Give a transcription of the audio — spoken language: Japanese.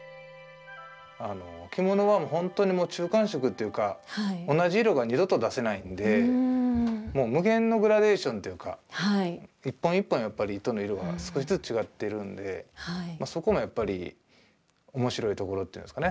着物はもう本当に中間色というか同じ色が二度と出せないんで無限のグラデーションというか一本一本やっぱり糸の色が少しずつ違ってるんでそこがやっぱり面白いところっていうんですかね。